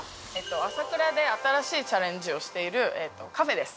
朝倉で新しいチャレンジをしているカフェです